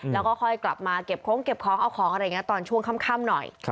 แล้วก็ค่อยกลับมาเก็บโค้งเก็บของเอาของอะไรอย่างนี้ตอนช่วงค่ำหน่อย